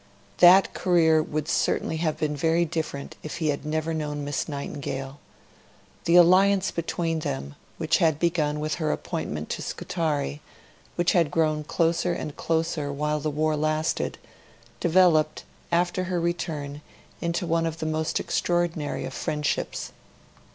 That career would certainly have been very different if he had never known Miss Nightingale. The alliance between them which had begun with her appointment to Scutari, which had grown closer and closer while the war lasted, developed, after her return, into one of the most extraordinary friendships.